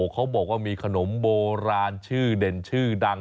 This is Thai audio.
เขาบอกว่ามีขนมโบราณชื่อเด่นชื่อดัง